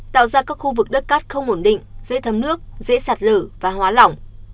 tạo ra các khu vực đất cát không ổn định dễ thấm nước dễ sạt lở và hóa lỏng